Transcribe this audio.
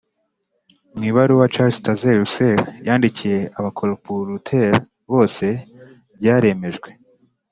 Mu ibaruwa Charles Taze Russell yandikiye abakoruporuteri bose byaremejwe